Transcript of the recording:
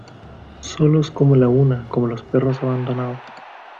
solos como la una, como los perros abandonados.